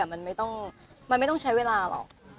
มันไม่ต้องใช้เวลาหรอก